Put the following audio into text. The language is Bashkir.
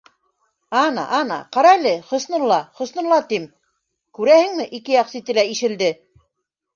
— Ана, ана, ҡара әле, Хөснулла, Хөснулла, тим, күрәһеңме, ике яҡ сите лә ишелде!